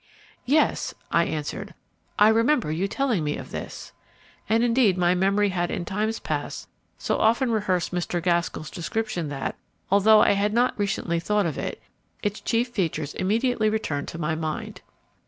"Yes," I answered, "I remember your telling me of this;" and indeed my memory had in times past so often rehearsed Mr. Gaskell's description that, although I had not recently thought of it, its chief features immediately returned to my mind.